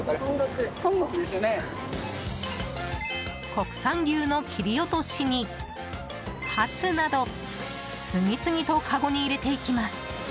国産牛の切り落としにハツなど次々と、かごに入れていきます。